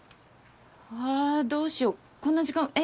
あどうしようこんな時間。